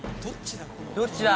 どっちだ？